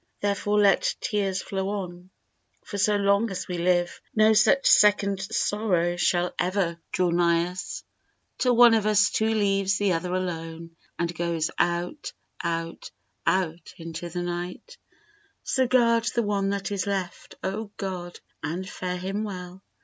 Therefore let tears flow on, for so long as we live No such second sorrow shall ever draw nigh us, Till one of us two leaves the other alone And goes out, out, out into the night, So guard the one that is left, O God, and fare him well!